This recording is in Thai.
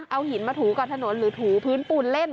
เอาหินมาถูกับถนนหรือถูพื้นปูนเล่น